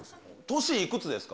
年いくつですか？